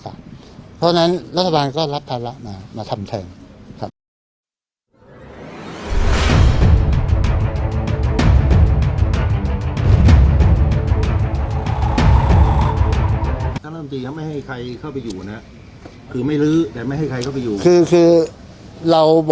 เพราะฉะนั้นรัฐบาลก็รับภาระมามาทำแทนครับ